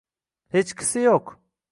hechqisi yo'q.